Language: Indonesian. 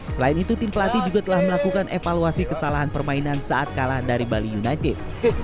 selain itu tim pelatih juga telah melakukan evaluasi kesalahan permainan saat kalah dari bali united